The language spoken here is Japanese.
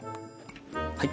はい。